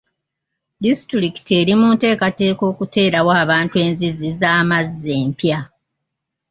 Disitulikiti eri munteekateeka okuteerawo abantu enzizi z'amazzi empya.